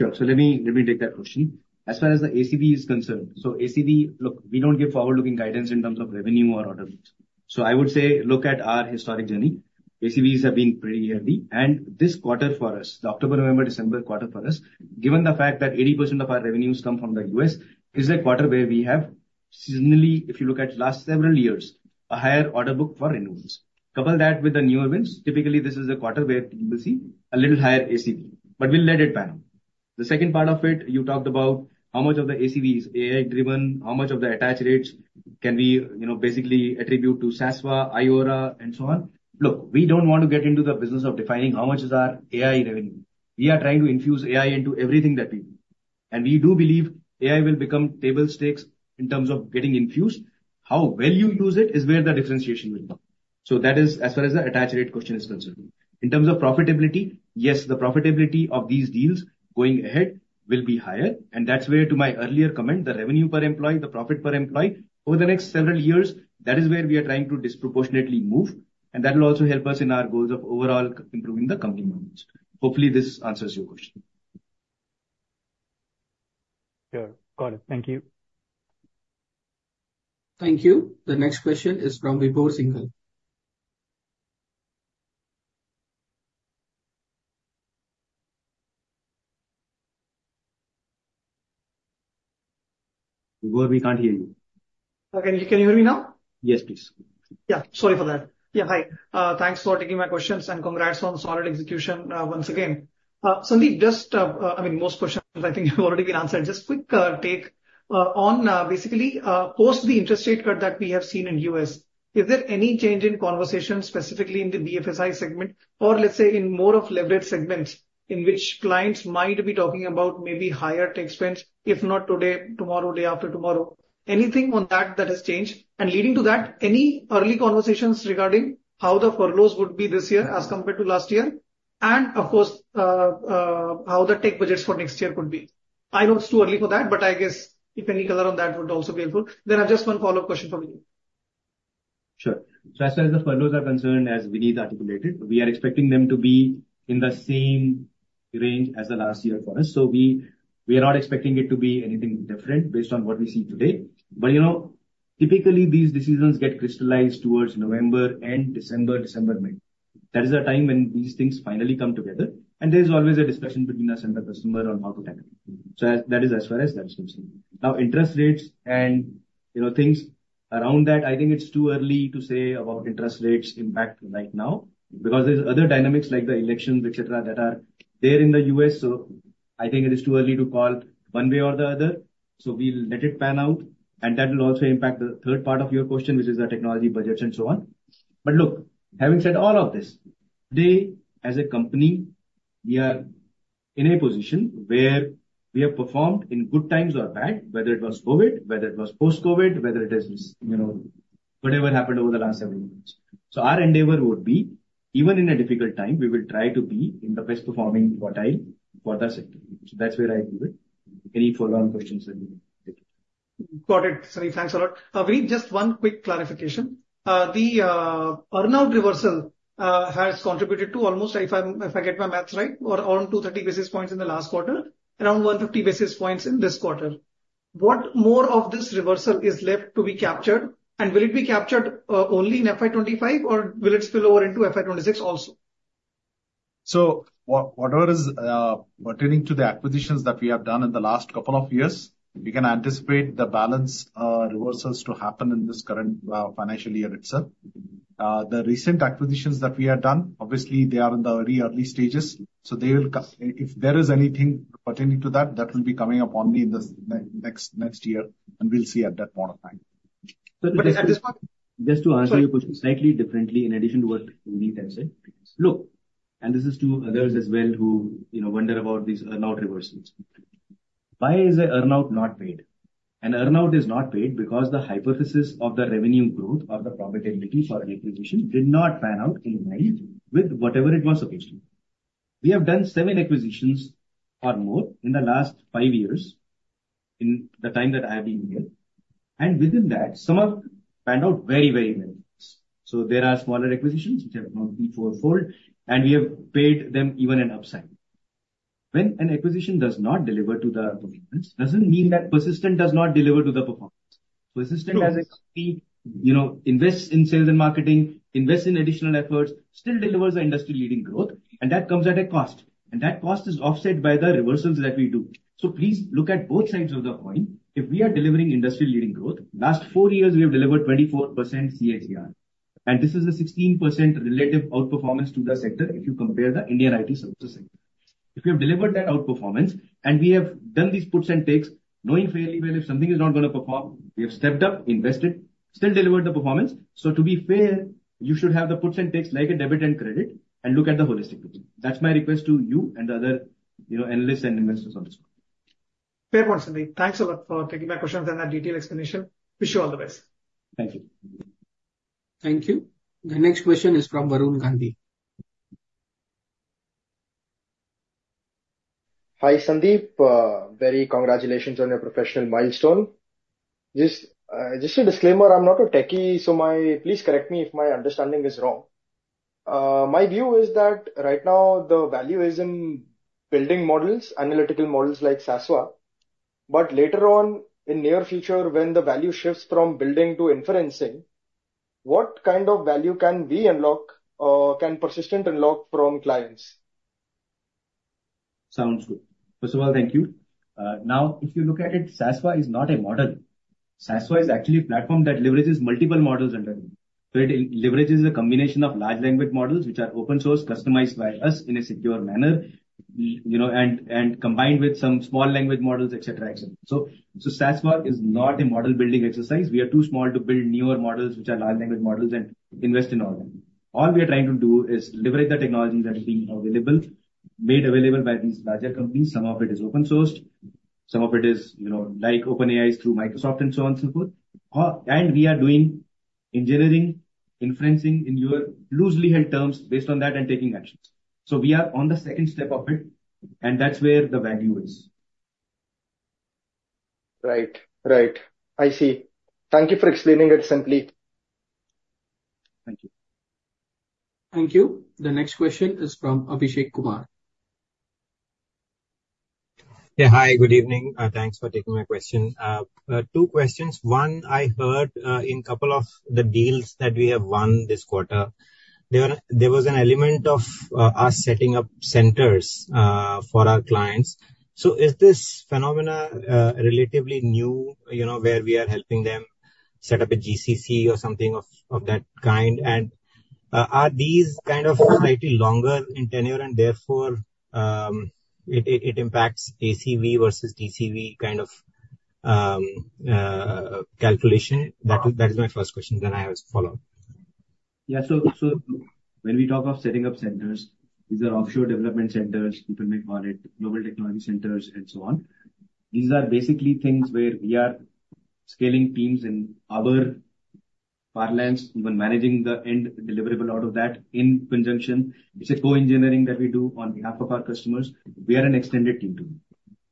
Sure, so let me take that question. As far as the ACV is concerned, so ACV, look, we don't give forward-looking guidance in terms of revenue or order books. So I would say, look at our historic journey. ACVs have been pretty healthy, and this quarter for us, the October, November, December quarter for us, given the fact that 80% of our revenues come from the U.S., is a quarter where we have seasonally, if you look at last several years, a higher order book for renewals. Couple that with the new events, typically this is a quarter where you will see a little higher ACV, but we'll let it pan out. The second part of it, you talked about how much of the ACV is AI driven, how much of the attach rates can we, you know, basically attribute to Sasva, iAURA, and so on. Look, we don't want to get into the business of defining how much is our AI revenue. We are trying to infuse AI into everything that we do, and we do believe AI will become table stakes in terms of getting infused. How well you use it is where the differentiation will come, so that is as far as the attach rate question is concerned. In terms of profitability, yes, the profitability of these deals going ahead will be higher, and that's where, to my earlier comment, the revenue per employee, the profit per employee, over the next several years, that is where we are trying to disproportionately move, and that will also help us in our goals of overall improving the company margins. Hopefully, this answers your question. Sure. Got it. Thank you. Thank you. The next question is from Vibhor Singhal. Vibhor, we can't hear you. Okay, can you hear me now? Yes, please. Yeah, sorry for that. Yeah, hi. Thanks for taking my questions, and congrats on solid execution, once again. Sandeep, just, I mean, most questions I think have already been answered. Just quick take on basically post the interest rate cut that we have seen in U.S., is there any change in conversation, specifically in the BFSI segment, or let's say in more of leveraged segments, in which clients might be talking about maybe higher tech spends, if not today, tomorrow, day after tomorrow? Anything on that that has changed, and leading to that, any early conversations regarding how the furloughs would be this year as compared to last year, and of course, how the tech budgets for next year could be? I know it's too early for that, but I guess if any color on that would also be helpful. Then I've just one follow-up question for you. Sure. So as far as the furloughs are concerned, as Vinit articulated, we are expecting them to be in the same range as last year for us. So we are not expecting it to be anything different based on what we see today. But you know, typically these decisions get crystallized towards November and mid-December. That is the time when these things finally come together, and there is always a discussion between us and the customer on how to tackle it. So that is as far as that is concerned. Now, interest rates and you know, things around that, I think it's too early to say about interest rates impact right now, because there's other dynamics like the elections, et cetera, that are there in the U.S., so I think it is too early to call one way or the other. So we'll let it pan out, and that will also impact the third part of your question, which is the technology budgets and so on. But look, having said all of this, today, as a company, we are in a position where we have performed in good times or bad, whether it was COVID, whether it was post-COVID, whether it is, you know, whatever happened over the last several months. So our endeavor would be, even in a difficult time, we will try to be in the best performing quartile for the sector. So that's where I leave it. Any follow-on questions then? Got it. Sandeep, thanks a lot. Vinit, just one quick clarification. The earn-out reversal has contributed to almost, if I get my math right, around 230 basis points in the last quarter, around 150 basis points in this quarter. What more of this reversal is left to be captured, and will it be captured only in FY 2025, or will it spill over into FY 2026 also? So what, whatever is pertaining to the acquisitions that we have done in the last couple of years, we can anticipate the balance reversals to happen in this current financial year itself. The recent acquisitions that we have done, obviously, they are in the very early stages, so they will if there is anything pertaining to that, that will be coming up only in the next year, and we'll see at that point in time. But at this point- Just to answer your question slightly differently, in addition to what Vinit has said. Look, and this is to others as well, who, you know, wonder about these earn-out reversals. Why is an earn-out not paid? An earn-out is not paid because the hypothesis of the revenue growth or the profitability for acquisition did not pan out in line with whatever it was supposed to. We have done seven acquisitions or more in the last five years, in the time that I have been here, and within that, some have panned out very, very well. So there are smaller acquisitions which have grown three-fold, four-fold, and we have paid them even an upside. When an acquisition does not deliver to the commitments, doesn't mean that Persistent does not deliver to the performance. Persistent, as a company, you know, invests in sales and marketing, invests in additional efforts, still delivers the industry-leading growth, and that comes at a cost, and that cost is offset by the reversals that we do. So please look at both sides of the coin. If we are delivering industry-leading growth, last four years, we have delivered 24% CAGR, and this is a 16% relative outperformance to the sector if you compare the Indian IT services. If we have delivered that outperformance and we have done these puts and takes, knowing fairly well if something is not going to perform, we have stepped up, invested, still delivered the performance. So to be fair, you should have the puts and takes like a debit and credit and look at the holistic picture. That's my request to you and the other, you know, analysts and investors on this call. Fair point, Sandeep. Thanks a lot for taking my questions and a detailed explanation. Wish you all the best. Thank you. Thank you. The next question is from Varun Ginodia. Hi, Sandeep. Very congratulations on your professional milestone. Just, just a disclaimer, I'm not a techie, so please correct me if my understanding is wrong. My view is that right now, the value is in building models, analytical models like Sasva. But later on, in near future, when the value shifts from building to inferencing, what kind of value can we unlock, can Persistent unlock from clients? Sounds good. First of all, thank you. Now, if you look at it, Sasva is not a model. Sasva is actually a platform that leverages multiple models under it. So it leverages a combination of large language models, which are open source, customized by us in a secure manner, you know, and combined with some small language models, et cetera, et cetera. So, Sasva is not a model-building exercise. We are too small to build newer models, which are large language models, and invest in all them. All we are trying to do is leverage the technologies that are being available, made available by these larger companies. Some of it is open sourced, some of it is, you know, like OpenAI is through Microsoft and so on, so forth. And we are doing engineering, inferencing in your loosely held terms based on that and taking actions. So we are on the second step of it, and that's where the value is. Right. Right. I see. Thank you for explaining it simply. Thank you. Thank you. The next question is from Abhishek Kumar. Yeah, hi, good evening. Thanks for taking my question. Two questions. One, I heard in couple of the deals that we have won this quarter, there was an element of us setting up centers for our clients. So is this phenomena relatively new, you know, where we are helping them set up a GCC or something of that kind? And are these kind of slightly longer in tenure and therefore it impacts ACV versus TCV kind of calculation? That is my first question, then I have a follow-up. Yeah. So, when we talk of setting up centers, these are offshore development centers, people may call it global technology centers and so on. These are basically things where we are scaling teams in our parlance, when managing the end deliverable out of that in conjunction. It's a co-engineering that we do on behalf of our customers. We are an extended team,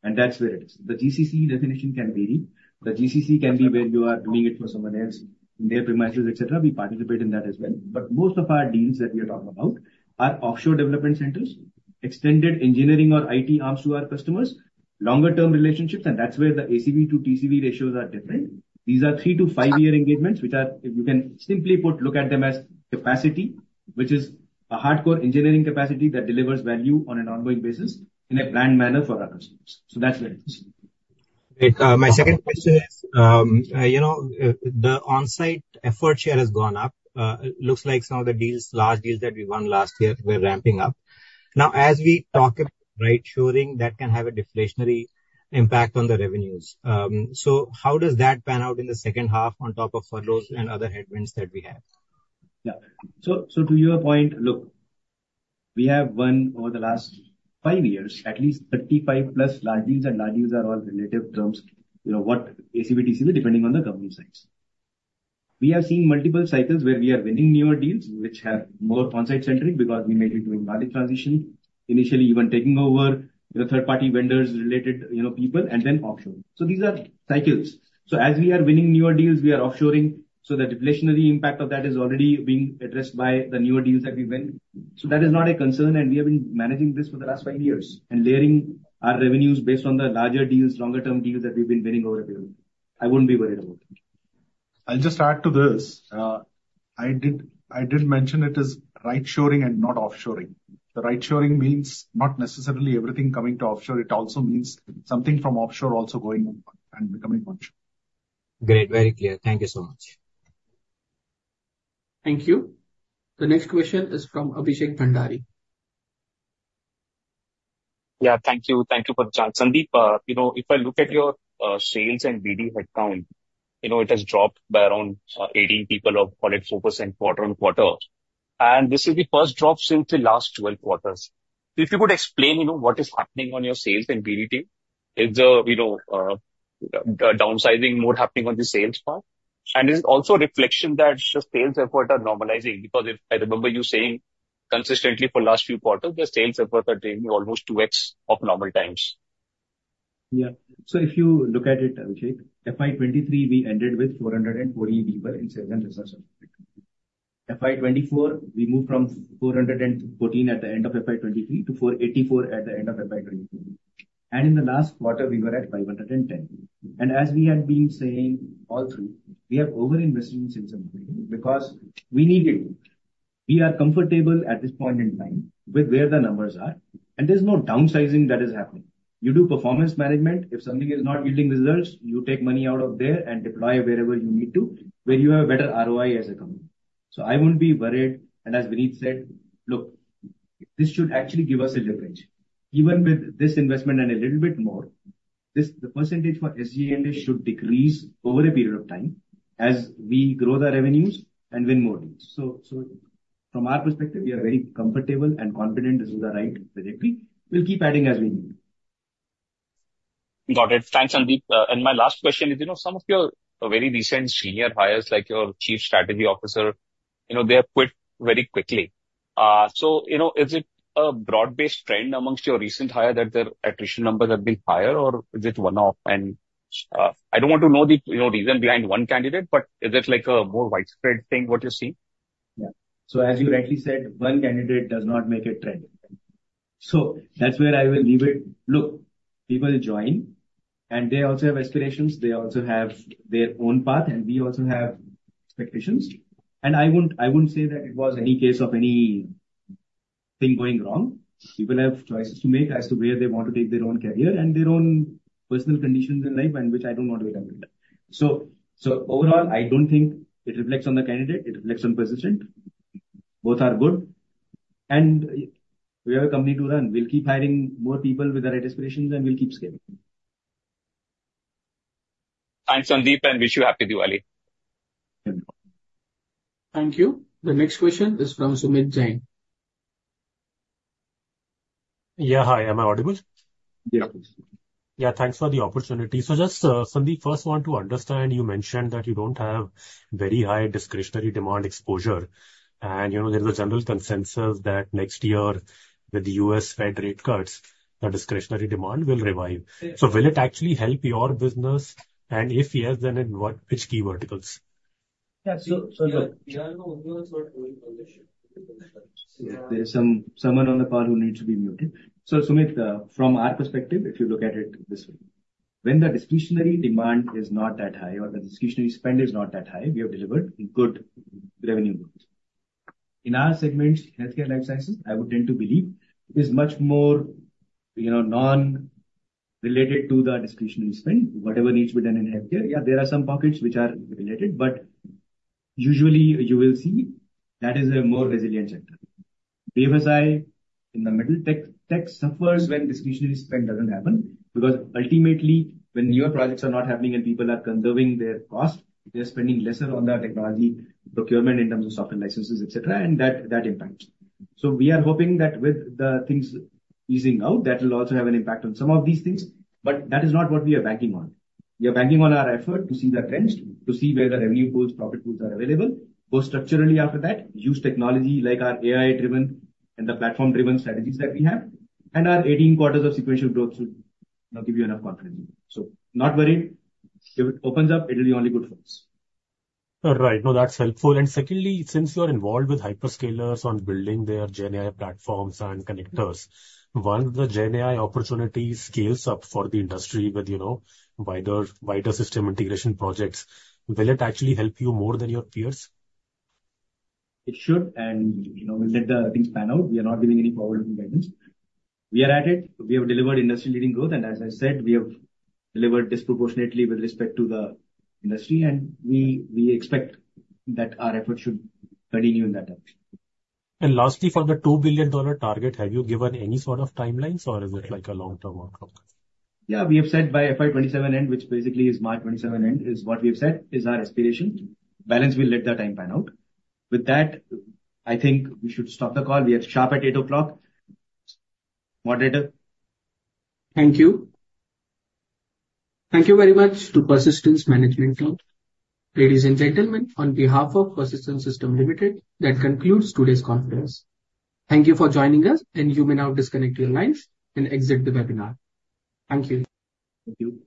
and that's where it is. The GCC definition can vary. The GCC can be where you are doing it for someone else, in their premises, et cetera. We participate in that as well. But most of our deals that we are talking about are offshore development centers, extended engineering or IT arms to our customers, longer-term relationships, and that's where the ACV to TCV ratios are different. These are three- to five-year engagements, which are... You can simply put, look at them as capacity, which is a hardcore engineering capacity that delivers value on an ongoing basis in a planned manner for our customers. So that's where it is. Great. My second question is, you know, the onsite effort share has gone up. It looks like some of the deals, large deals that we won last year, we're ramping up. Now, as we talk about rightshoring, that can have a deflationary impact on the revenues, so how does that pan out in the second half on top of furloughs and other headwinds that we have? Yeah. So to your point, look, we have won over the last five years at least 35-plus large deals, and large deals are all relative terms. You know, what ACV, TCV, depending on the engagement size. We have seen multiple cycles where we are winning newer deals which have more on-site centric, because we made it during market transition. Initially, even taking over the third-party vendors related, you know, people, and then offshoring. So these are cycles. So as we are winning newer deals, we are offshoring, so the deflationary impact of that is already being addressed by the newer deals that we win. So that is not a concern, and we have been managing this for the last five years and layering our revenues based on the larger deals, longer term deals that we've been winning over a period. I wouldn't be worried about it. I'll just add to this. I did mention it is rightshoring and not offshoring. Rightshoring means not necessarily everything coming to offshore. It also means something from offshore also going and becoming onshore. Great. Very clear. Thank you so much. Thank you. The next question is from Abhishek Bhandari. Yeah, thank you. Thank you for the chance. Sandeep, you know, if I look at your sales and BD headcount, you know, it has dropped by around eighteen people or call it 4% quarter on quarter. And this is the first drop since the last twelve quarters. If you could explain, you know, what is happening on your sales and BD team. Is there, you know, downsizing more happening on the sales part? And is it also a reflection that the sales effort are normalizing? Because if I remember you saying consistently for last few quarters, the sales efforts are taking almost 2x of normal times. Yeah, so if you look at it, Abhishek, FY 2023, we ended with 440 people in sales and research. FY 2024, we moved from 414 at the end of FY 2023 to 484 at the end of FY 2024, and in the last quarter, we were at 510, and as we have been saying all through, we are over-investing in sales because we need to. We are comfortable at this point in time with where the numbers are, and there's no downsizing that is happening. You do performance management. If something is not yielding results, you take money out of there and deploy wherever you need to, where you have a better ROI as a company. So I won't be worried, and as Vinit said, "Look, this should actually give us a leverage." Even with this investment and a little bit more, this, the percentage for SG&A should decrease over a period of time as we grow the revenues and win more deals. So, so from our perspective, we are very comfortable and confident this is the right trajectory. We'll keep adding as we need. Got it. Thanks, Sandeep. And my last question is, you know, some of your very recent senior hires, like your chief strategy officer, you know, they have quit very quickly. So, you know, is it a broad-based trend amongst your recent hire that their attrition numbers have been higher, or is it one-off? And, I don't want to know the, you know, reason behind one candidate, but is it like a more widespread thing, what you're seeing? Yeah. So as you rightly said, one candidate does not make a trend. So that's where I will leave it. Look, people join, and they also have aspirations. They also have their own path, and we also have expectations. And I wouldn't say that it was any case of anything going wrong. People have choices to make as to where they want to take their own career and their own personal conditions in life, and which I don't want to get into that. So overall, I don't think it reflects on the candidate. It reflects on the present. Both are good. And we have a company to run. We'll keep hiring more people with the right aspirations, and we'll keep scaling. Thanks, Sandeep, and wish you happy Diwali. Thank you. Thank you. The next question is from Sumit Jain. Yeah, hi. Am I audible? Yeah. Yeah, thanks for the opportunity. So just, Sandeep, first want to understand, you mentioned that you don't have very high discretionary demand exposure, and, you know, there is a general consensus that next year with the U.S. Fed rate cuts, the discretionary demand will revive. Yeah. So will it actually help your business? And if yes, then in what, which key verticals? Yeah, there's someone on the call who needs to be muted. So Sumit, from our perspective, if you look at it this way, when the discretionary demand is not that high or the discretionary spend is not that high, we have delivered good revenue growth. In our segment, healthcare and life sciences, I would tend to believe, is much more, you know, non-related to the discretionary spend, whatever needs to be done in healthcare. Yeah, there are some pockets which are related, but usually you will see that is a more resilient sector. BFSI in the middle, tech, tech suffers when discretionary spend doesn't happen, because ultimately, when newer projects are not happening and people are conserving their cost, they are spending lesser on the technology procurement in terms of software licenses, et cetera, and that, that impacts. So we are hoping that with the things easing out, that will also have an impact on some of these things, but that is not what we are banking on. We are banking on our effort to see the trends, to see where the revenue pools, profit pools are available. More structurally after that, use technology like our AI-driven and the platform-driven strategies that we have, and our 18 quarters of sequential growth should, you know, give you enough confidence. So not worried. If it opens up, it will be only good for us. Right. No, that's helpful, and secondly, since you are involved with hyperscalers on building their GenAI platforms and connectors, once the GenAI opportunity scales up for the industry with, you know, wider, wider system integration projects, will it actually help you more than your peers? It should, and, you know, we'll let the things pan out. We are not giving any forward-looking guidance. We are at it. We have delivered industry-leading growth, and as I said, we have delivered disproportionately with respect to the industry, and we, we expect that our effort should continue in that direction. Lastly, for the $2 billion target, have you given any sort of timelines, or is it like a long-term outcome? Yeah, we have said by FY 2027 end, which basically is March 2027 end, is what we have said is our aspiration. Balance, we'll let the time pan out. With that, I think we should stop the call. We are sharp at eight o'clock. Moderator? Thank you. Thank you very much to Persistent's management team. Ladies and gentlemen, on behalf of Persistent Systems Limited, that concludes today's conference. Thank you for joining us, and you may now disconnect your lines and exit the webinar. Thank you. Thank you.